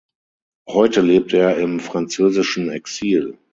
Heute lebt er im französischen Exil.